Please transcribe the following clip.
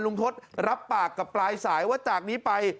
ทศรับปากกับปลายสายว่าจากนี้ไป